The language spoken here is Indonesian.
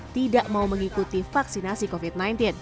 tidak mau mengikuti vaksinasi covid sembilan belas